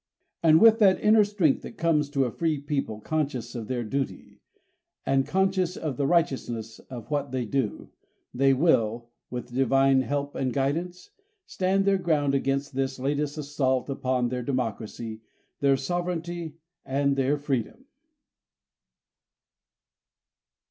And with that inner strength that comes to a free people conscious of their duty, and conscious of the righteousness of what they do, they will with Divine help and guidance stand their ground against this latest assault upon their democracy, their sovereignty, and their freedom.